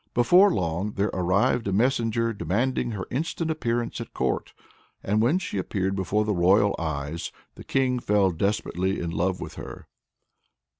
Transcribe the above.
Before long there arrived a messenger demanding her instant appearance at court. And "when she appeared before the royal eyes," the king fell desperately in love with her.